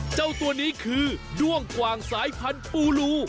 เจ้าตัวนี้คือด้วงกว่างสายพันธุ์ปูรู